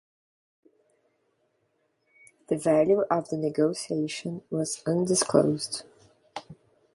The value of the negotiation was undisclosed.